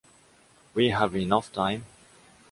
We have enough time.